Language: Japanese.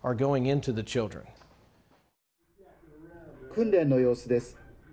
訓練の様子です。